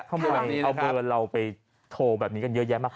ถ้าอยู่แบบนี้เราเอาเบอร์เราที่โทรแบบนี้กันเยอะแยะมาก